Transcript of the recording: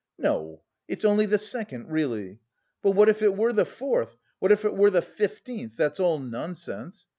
"No, it's only the second, really! But what if it were the fourth, what if it were the fifteenth, that's all nonsense!